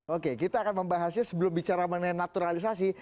oke kita akan membahasnya sebelum bicara mengenai naturalisasi